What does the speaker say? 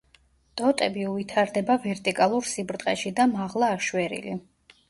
ტოტები უვითარდება ვერტიკალურ სიბრტყეში და მაღლა აშვერილი.